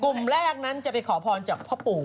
กลุ่มแรกนั้นจะไปขอพรจากพ่อปู่